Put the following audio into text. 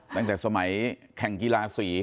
ตั้งแต่สมัยแข่งกีฬาสี